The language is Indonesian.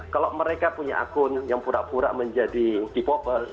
kalau mereka punya akun yang pura pura menjadi k popers